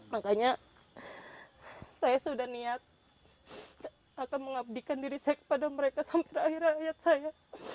makanya saya sudah niat akan mengabdikan diri saya kepada mereka sampai akhir rakyat saya